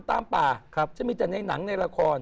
ตามป่าจะมีแต่ในหนังในละคร